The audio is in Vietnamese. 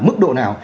mức độ nào